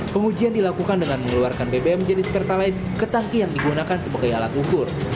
pengujian dilakukan dengan mengeluarkan bbm jenis pertalite ke tangki yang digunakan sebagai alat ukur